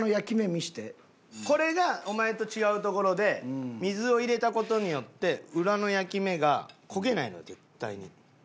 これがお前と違うところで水を入れた事によって裏の焼き目が焦げないのよ絶対に。